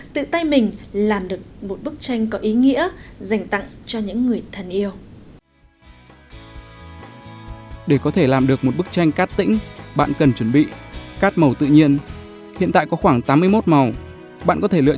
tự tay mình làm được một bức tranh tự tay làm tặng gia đình và bạn bè